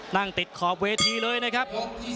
นั่งติดขอบเวทีเลยนะครับ